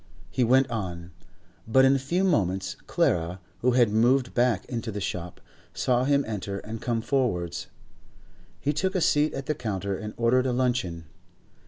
He went on, but in a few moments Clara, who had moved back into the shop, saw him enter and come forwards. He took a seat at the counter and ordered a luncheon.